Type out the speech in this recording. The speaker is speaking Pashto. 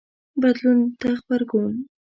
بدلون ته غبرګون